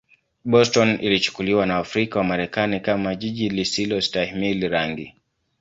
Boston ilichukuliwa na Waafrika-Wamarekani kama jiji lisilostahimili rangi.